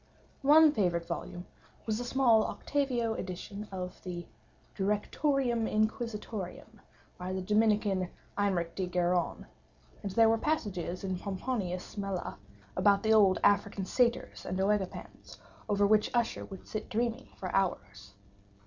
One favorite volume was a small octavo edition of the Directorium Inquisitorium, by the Dominican Eymeric de Gironne; and there were passages in Pomponius Mela, about the old African Satyrs and OEgipans, over which Usher would sit dreaming for hours.